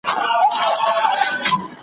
ځم راته یو څوک په انتظار دی بیا به نه وینو .